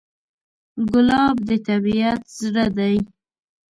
ګلاب د طبیعت زړه دی.